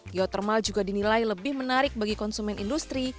geotermal juga dinilai lebih menarik bagi konsumen industri